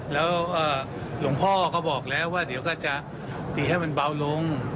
แล้วหลวงพ่อก็บอกแล้วว่าเดี๋ยวก็จะตีให้มันเบาลง